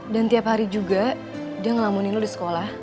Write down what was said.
dan tiap hari juga dia ngelamunin lo di sekolah